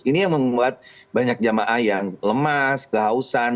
ini yang membuat banyak jamaah yang lemas kehausan